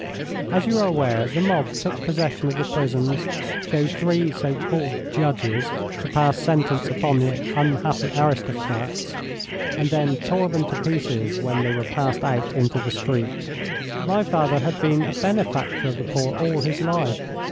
As you are aware, the mob took possession of the prisons, chose three so called judges to pass sentence upon the unhappy aristocrats, and then tore them to pieces when they were passed out into the street. My father had been a benefactor of the poor all his life.